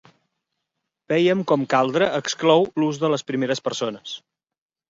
Vèiem com “caldre” exclou l'ús de les primeres persones.